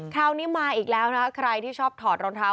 คราวนี้มาอีกแล้วนะคะใครที่ชอบถอดรองเท้า